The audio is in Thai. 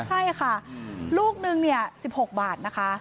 ใช่ค่ะลูกหนึ่งเนี่ย๑๖บาทนะคะ